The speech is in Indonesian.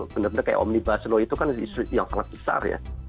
benar benar kayak omnibus law itu kan isu yang sangat besar ya